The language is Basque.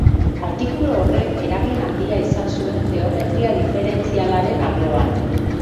Artikulu horrek eragin handia izan zuen geometria diferentzialaren arloan.